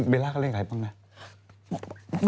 เบลล่าก็เล่นไงบ้างแน่